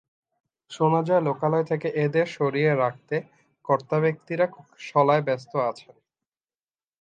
শোনা যায় লোকালয় থেকে এদের সরিয়ে রাখতে কর্তাব্যক্তিরা শলায় ব্যস্ত আছেন।